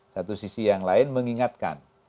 satu sisi yang lain mengingatkan